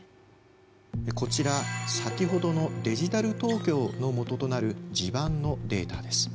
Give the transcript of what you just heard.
こちら先ほどのデジタル東京の基となる地盤のデータです。